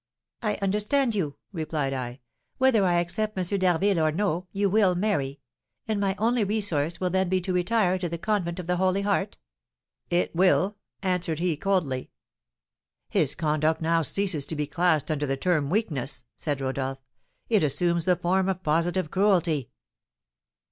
'I understand you,' replied I; 'whether I accept M. d'Harville or no, you will marry; and my only resource will then be to retire to the Convent of the Holy Heart?' 'It will,' answered he, coldly." "His conduct now ceases to be classed under the term weakness," said Rodolph; "it assumes the form of positive cruelty."